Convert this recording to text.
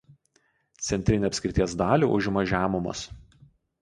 Centrinę apskrities dalį užima žemumos.